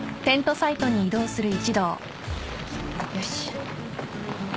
よし。